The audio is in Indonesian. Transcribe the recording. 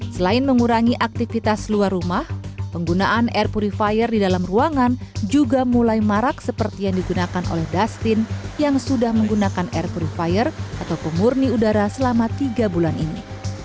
selain mengurangi aktivitas luar rumah penggunaan air purifier di dalam ruangan juga mulai marak seperti yang digunakan oleh dustin yang sudah menggunakan air purifier atau pemurni udara selama tiga bulan ini